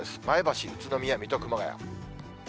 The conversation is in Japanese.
前橋、宇都宮、水戸、熊谷。